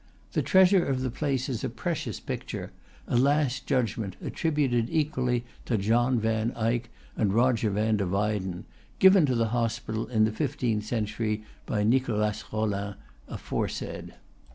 The treasure of the place is a precious picture, a Last Judgment, attributed equally to John van Eyck and Roger van der Weyden, given to the hospital in the fifteenth century by Nicholas Rollin aforesaid.